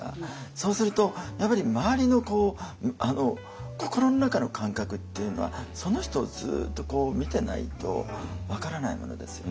そうするとやっぱり周りの心の中の感覚っていうのはその人をずっとこう見てないと分からないものですよね。